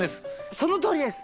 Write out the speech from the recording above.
そのとおりです！